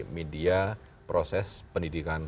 media proses pendidikan